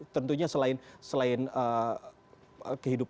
tentunya selain kehidupan yang lebih luas